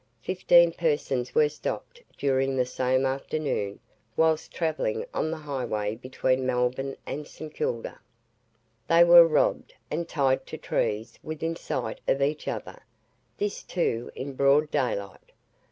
Fifteen persons were stopped during the same afternoon whilst travelling on the highway between Melbourne and St. Kilda. They were robbed, and tied to trees within sight of each other this too in broad daylight.